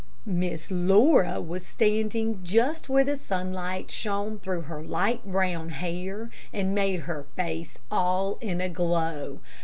'" Miss Laura was standing just where the sunlight shone through her light brown hair, and made her face all in a glow.